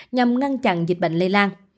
nhằm ngăn chặn dịch bệnh lây lan